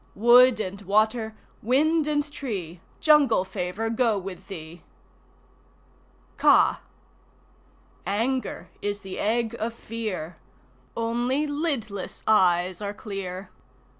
Wood and Water, Wind and Tree, Jungle Favour go with thee! Kaa Anger is the egg of Fear Only lidless eyes are clear.